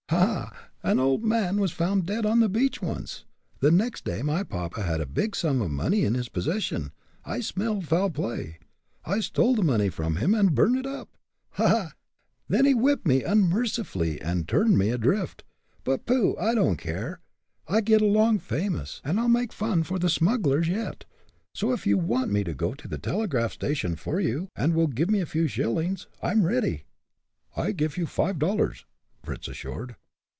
Ha! ha! an old man was found dead on the beach once. The next day my papa had a big sum of money in his possession. I smelled foul play. I stole the money from him and burned it up. Ha! ha! Then he whipped me unmercifully, and turned me adrift. But, pooh! I don't care! I get along famous, and I'll make fun for the smugglers yet. So if you want me to go to the telegraph station for you, and will give me a few shillings, I'm ready." "I'll giff you five dollars!" Fritz assured.